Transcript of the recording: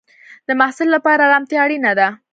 د محصل لپاره ارامتیا اړینه ده.